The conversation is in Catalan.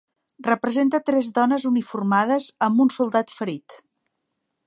Representa tres dones uniformades amb un soldat ferit.